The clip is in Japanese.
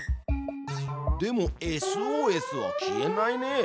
でもＳＯＳは消えないね。